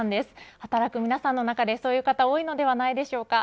働く皆さんの中でそういう方多いのではないでしょうか。